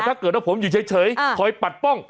ถ้าเกิดว่าผมอยู่เฉยคอยปัดป้อง